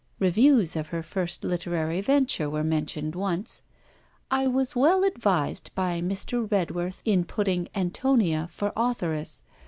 Reviews of her first literary venture were mentioned once: 'I was well advised by Mr. Redworth in putting ANTONIA for authoress.